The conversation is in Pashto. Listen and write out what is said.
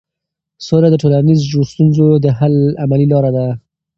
سوله د ټولنیزو ستونزو د حل عملي لار ده.